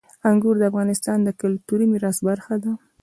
انګور د افغانستان د کلتوري میراث برخه ده.